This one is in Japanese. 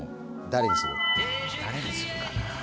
誰にするかな。